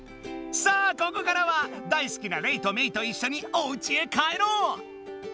さあここからは大すきなレイとメイといっしょにおうちへ帰ろう！